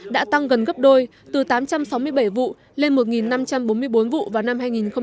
đã tăng gần gấp đôi từ tám trăm sáu mươi bảy vụ lên một năm trăm bốn mươi bốn vụ vào năm hai nghìn một mươi bảy